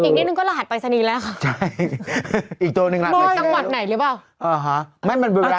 อีกนิดนึงก็รหัสไปซะนี้แหละค่ะ